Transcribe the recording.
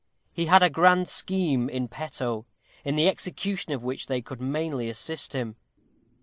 He had a grand scheme in petto, in the execution of which they could mainly assist him.